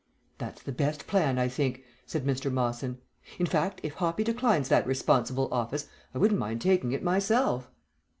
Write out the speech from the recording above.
"That's the best plan, I think," said Mr. Mawson. "In fact, if Hoppy declines that responsible office, I wouldn't mind taking it myself."